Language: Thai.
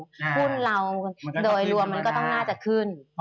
หุ้นเราโดยรวมมันก็ต้องน่าจะขึ้น